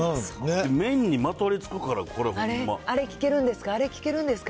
麺にまとわりつくからこれ、ほんま。あれ聞けるんですか？